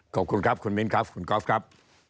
ขอบคุณครับคุณมิ้นครับคุณก๊อฟครับ